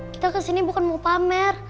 kita kesini bukan mau pamer